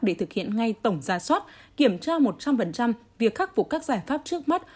để thực hiện ngay tổng ra soát kiểm tra một trăm linh việc khắc phục các giải pháp trước mắt